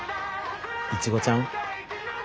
いちごちゃん。